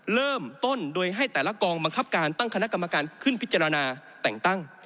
เริ่มต้นโดยให้แต่ละกองบังคับการตั้งคณะกรรมการขึ้นพิจารณาแต่งตั้ง